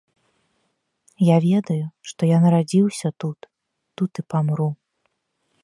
Я ведаю, што я нарадзіўся тут, тут і памру.